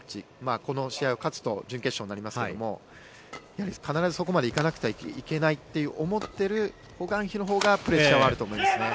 この試合を勝つと準決勝になりますが必ずそこまで行かなくてはいけないと思っているホ・グァンヒのほうがプレッシャーはあると思いますね。